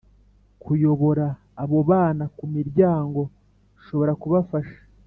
Kuyobora abo bana ku miryango ishobora kubafasha